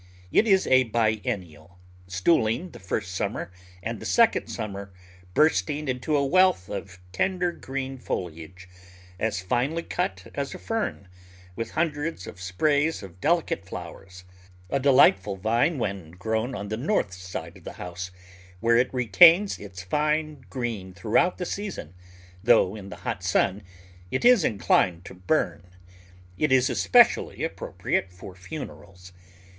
It is a biennial, stooling the first summer and the second summer bursting into a wealth of tender green foliage, as finely cut as a fern, with hundreds of sprays of deli cate flowers — a delightful vine when grown on the north side of the house, where it retains its fine green throughout the season, though in the hot sun it is inclined to burn. It is especially appropriate for funerals.